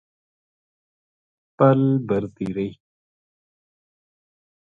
پل بَرتی رہی